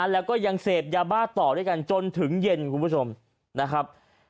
แล้วก็ยังเสพยาบ้าต่อด้วยกันจนถึงเย็นคุณผู้ชมนะครับ